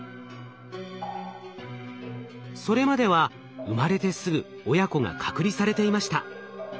それまでは生まれてすぐ親子が隔離されていました。